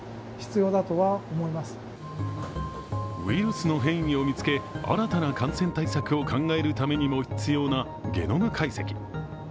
ウイルスの変異を見つけ、新たな感染対策を考えるためにも必要なゲノム解析。